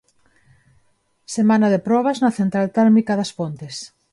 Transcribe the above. Semana de probas na central térmica das Pontes.